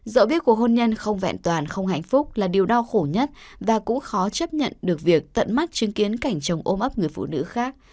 dẫu biết của hôn nhân không vẹn toàn không hạnh phúc là điều đau khổ nhất và cũng khó chấp nhận được việc tận mắt chứng kiến cảnh chồng ôm ấp người phụ nữ khác